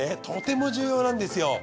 とても重要なんですよ。